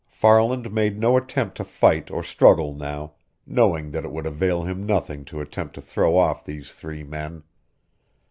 Farland made no attempt to fight or struggle now, knowing that it would avail him nothing to attempt to throw off these three men.